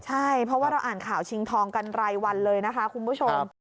ใช่เพราะว่าเราอ่านข่าวชิงทองกันรายวันเลยนะคะคุณผู้ชม